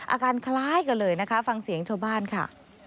อาการคล้ายกันเลยนะคะฟังเสียงชาวบ้านค่ะ